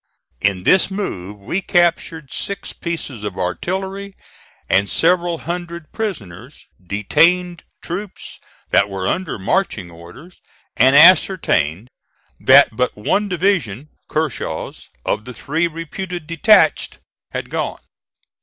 In this move we captured six pieces of artillery and several hundred prisoners, detained troops that were under marching orders, and ascertained that but one division (Kershaw's), of the three reputed detached, had gone.